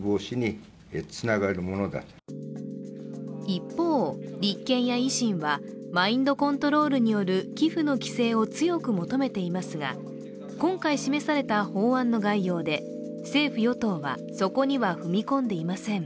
一方、立憲や維新はマインドコントロールによる寄付の規制を強く求めていますが、今回示された法案の概要で、政府・与党はそこには踏み込んでいません。